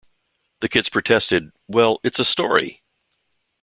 The kids protested: Well, it's a story.